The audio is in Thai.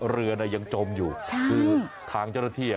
เรือเนี่ยยังจมอยู่คือทางเจ้าหน้าที่อ่ะ